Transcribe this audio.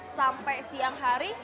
sampai siang hari